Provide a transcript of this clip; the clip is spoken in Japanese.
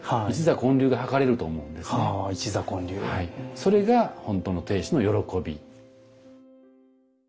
それが本当の亭主の喜び。